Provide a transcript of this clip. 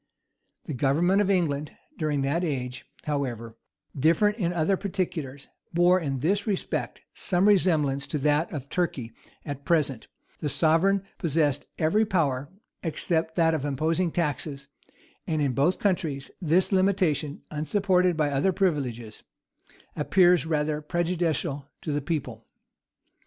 The government of England during that age, however different in other particulars, bore in this respect some resemblance to that of Turkey at present: the sovereign possessed every power, except that of imposing taxes; and in both countries, this limitation, unsupported by other privileges, appears rather prejudicial to the people.